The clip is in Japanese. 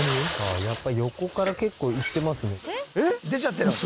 やっぱ横から結構いってますね。